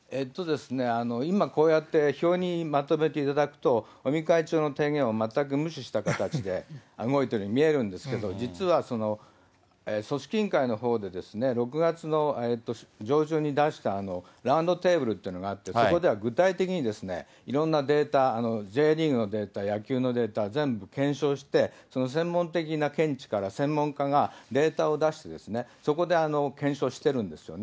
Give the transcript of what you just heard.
今こうやって表にまとめていただくと、尾身会長の提言を全く無視した形で動いているように見えるんですけど、実は組織委員会のほうで、６月の上旬に出したラウンドテーブルというのがあって、そこでは具体的にいろんなデータ、Ｊリーグのデータ、野球のデータ、全部検証して、その専門的な見地から専門家がデータを出してですね、そこで検証してるんですよね。